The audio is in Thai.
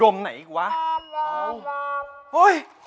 โอ้เฮ้ยเฮ้ย